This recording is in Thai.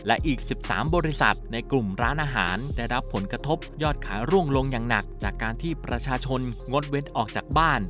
และอีก๑๓บริษัทในกลุ่มร้านอาหารได้รับผลกระทบยอดขายร่วงลงอย่างหนักจากการที่ประชาชนงดเว้นออกจากบ้าน